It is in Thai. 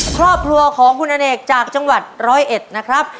ครอบครัวของคุณอเนกจากจังหวัดร้อยเอ็ดนะครับ